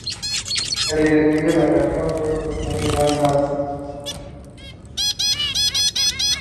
These have confirmed the continuous human occupation of the site.